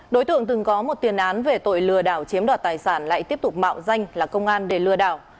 đối tượng từng có một tiền án về tội lừa đảo chiếm đoạt tài sản lại tiếp tục mạo danh là công an để lừa đảo